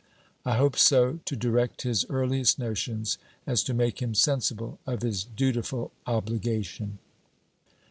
I hope so to direct his earliest notions, as to make him sensible of his dutiful obligation.